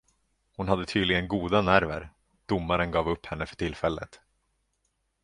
Hon hade tydligen goda nerver, domaren gav upp henne för tillfället.